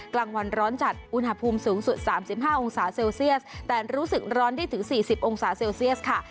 กลางวันร้อนจัดอุณหภูมิสูงสุด๓๕องศาเซลเซียสแต่รู้สึกร้อนได้ถึง๔๐องศาเซลเซียสค่ะ